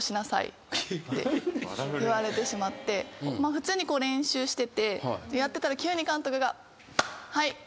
普通に練習しててやってたら急に監督が。